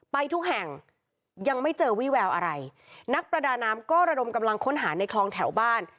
ทุกแห่งยังไม่เจอวี่แววอะไรนักประดาน้ำก็ระดมกำลังค้นหาในคลองแถวบ้าน